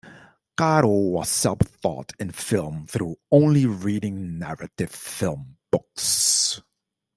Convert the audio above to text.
Caro was self-taught in film through only reading narrative film books.